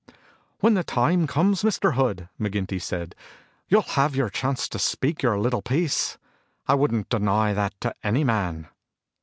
"When the time comes, Mr. Hood," McGinty said, "you'll have your chance to speak your little piece. I wouldn't deny that to any man."